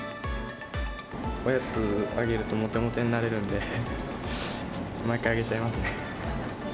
おやつあげるとモテモテになれるんで、毎回あげちゃいますね。